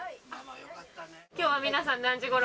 きょうは皆さん、何時ごろ